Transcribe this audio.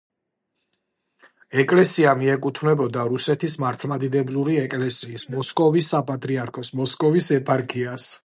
ეკლესია მიეკუთვნებოდა რუსეთის მართლმადიდებელი ეკლესიის მოსკოვის საპატრიარქოს მოსკოვის ეპარქიას.